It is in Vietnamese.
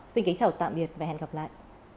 xin kính chào tạm biệt và hẹn gặp lại